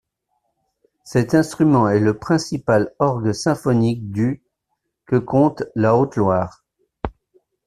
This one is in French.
Cet instrument est le principal orgue symphonique du que compte la Haute-Loire.